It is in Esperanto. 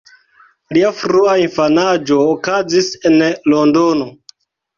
Lia frua infanaĝo okazis en Londono.